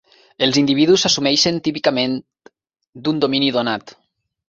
Els individus s'assumeixen típicament d'un domini donat.